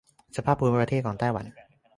สภาพภูมิประเทศของไต้หวัน